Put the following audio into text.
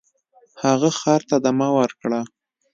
هغه خر ته دمه ورکړه.